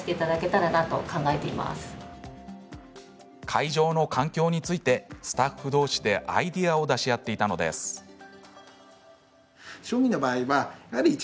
会場の環境についてスタッフどうしでアイデアを出し合っていたのです。